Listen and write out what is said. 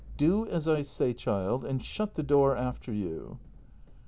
Do as I say, child. And shut the door after you.